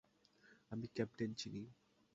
আমি ক্যাপ্টেন চেনি!